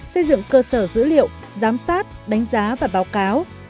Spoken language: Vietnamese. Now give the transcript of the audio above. xây dựng cơ sở dữ liệu giám sát đánh giá và báo cáo